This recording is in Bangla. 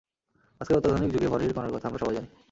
আজকের অত্যাধুনিক যুগে ভরহীন কণার কথা আমরা সবাই জানি।